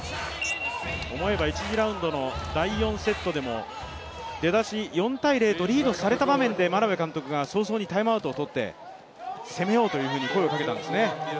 思えば１次ラウンドの第４セットでも、出だし４−０とリードされたところでも、眞鍋監督が早々にタイムアウトを取って、攻めようと声をかけたんですね。